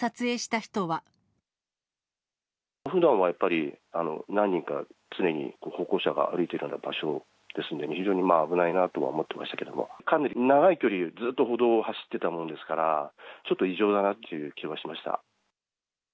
ふだんはやっぱり、何人か常に歩行者が歩いているような場所ですんで、非常に危ないなと思ってましたけど、かなり長い距離、ずっと歩道を走ってたもんですから、ちょっと異常だなという気はしました。